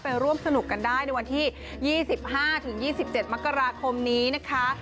ร่วมสนุกกันได้ในวันที่๒๕๒๗มกราคมนี้นะคะ